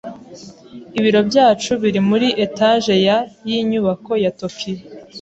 Ibiro byacu biri muri etage ya yinyubako ya Tokiyo.